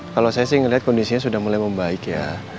kalo saya sih ngeliat kondisinya sudah mulai membaik ya